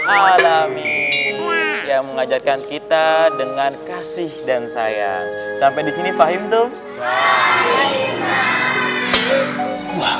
alamin yang mengajarkan kita dengan kasih dan sayang sampai di sini pahim tuh wah